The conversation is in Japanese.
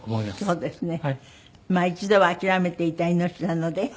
そうですね。